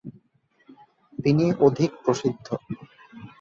তিনি অধিক প্রসিদ্ধ।